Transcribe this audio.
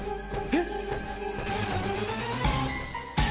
えっ？